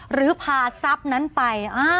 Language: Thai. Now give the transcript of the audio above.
หรือพาทรัพย์นั้นไป